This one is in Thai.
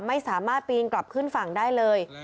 ไม่สามารถปีนกลับขึ้นฝั่งได้เลย